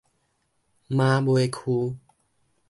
馬尾區